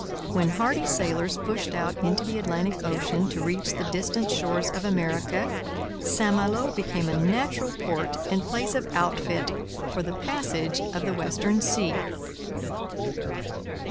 When hardy sailors pushed out into the Atlantic ocean to reach the distant shores of America, St Malo became a natural port and place of outfit for the passage of the western sea.